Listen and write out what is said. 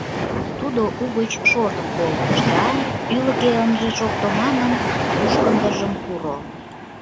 Тудо угыч шортын колтыш да, ӱлыкӧ ынже шокто манын, мушкындыжым пуро.